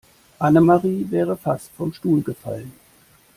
Annemarie wäre fast vom Stuhl gefallen.